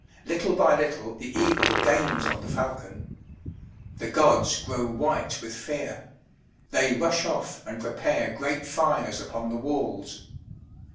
Little by little the eagle gains on the falcon. The gods grow white with fear; they rush off and prepare great fires upon the walls.